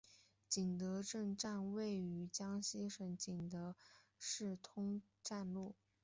景德镇站位于江西省景德镇市通站路。